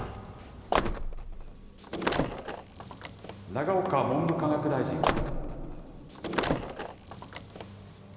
永岡文部科学大臣は。